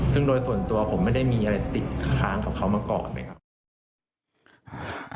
ซึ่งโดยส่วนตัวผมไม่ได้มีอะไรติดค้างกับเขามาก่อนเลยครับ